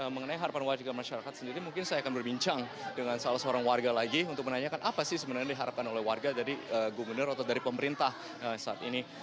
mengenai harapan warga masyarakat sendiri mungkin saya akan berbincang dengan salah seorang warga lagi untuk menanyakan apa sih sebenarnya diharapkan oleh warga dari gubernur atau dari pemerintah saat ini